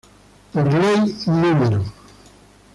Por Ley No.